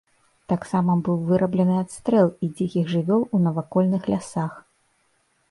Таксама быў выраблены адстрэл і дзікіх жывёл у навакольных лясах.